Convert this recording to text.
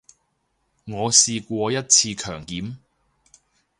我試過一次強檢